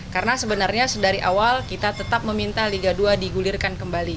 karena sebenarnya dari awal kita tetap meminta liga dua digulirkan kembali